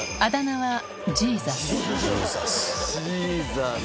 ジーザス。